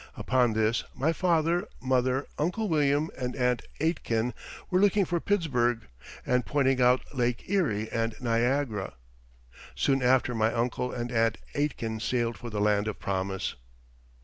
Upon this my father, mother, Uncle William, and Aunt Aitken were looking for Pittsburgh and pointing out Lake Erie and Niagara. Soon after my uncle and Aunt Aitken sailed for the land of promise.